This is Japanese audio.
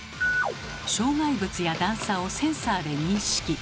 障害物や段差をセンサーで認識。